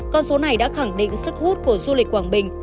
con số này đã khẳng định sức hút của du lịch quảng bình